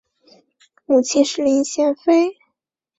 母亲是林贤妃。